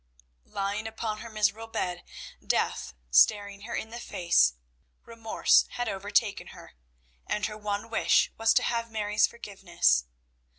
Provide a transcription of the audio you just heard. Lying upon her miserable bed, death staring her in the face, remorse had overtaken her, and her one wish was to have Mary's forgiveness.